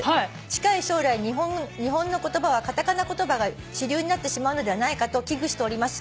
「近い将来日本の言葉はカタカナ言葉が主流になってしまうのではないかと危惧しております。